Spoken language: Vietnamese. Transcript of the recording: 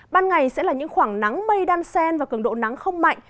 ban ngày sẽ là những khoảng nắng mây đan sen và cường độ nắng không mạnh